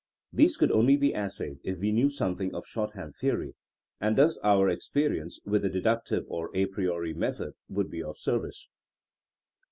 These could only be assayed if we knew something of short hand theory, and thus our experience with the deductive or a priori method would be of service.